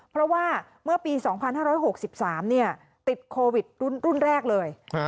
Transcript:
เพราะว่าเมื่อปี๒๕๖๓ติดโควิดรุ่นแรกเลย